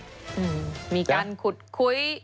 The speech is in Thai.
มีการขุดคุ้ย